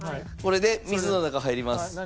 これで水の中入ります。